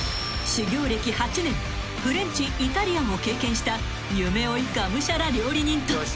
［フレンチイタリアンを経験した夢追いがむしゃら料理人と］